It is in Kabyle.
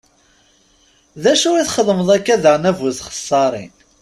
D acu i txedmeḍ akka daɣen, a bu txeṣṣarin?